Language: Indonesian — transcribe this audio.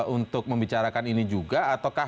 untuk membicarakan ini juga ataukah